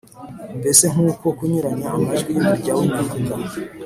mbese nk’uko kunyuranya amajwi k’umurya w’inanga